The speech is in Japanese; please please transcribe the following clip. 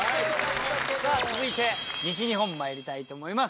さぁ続いて西日本参りたいと思います。